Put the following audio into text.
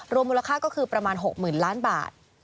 รวมมูลค่าก็คือประมาณ๖หมื่นล้านบาท